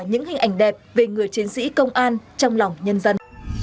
những hình ảnh đẹp về người chiến sĩ công an trong lòng nhân dân